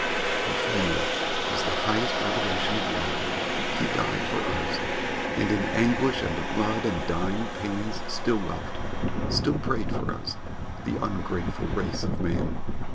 And finally, as the highest revelation of Love, he died for us, and in anguish and blood and dying pains still loved, still prayed for us, the ungrateful race of man.